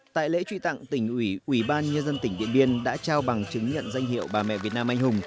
tại lễ truy tặng tỉnh ủy ủy ban nhân dân tỉnh điện biên đã trao bằng chứng nhận danh hiệu bà mẹ việt nam anh hùng